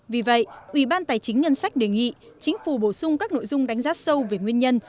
vì vậy ủy ban tài chính ngân sách đề nghị chính phủ bổ sung các nội dung đánh giá sâu về nguyên nhân